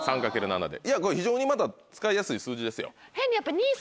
非常にまだ使いやすい数字ですよ。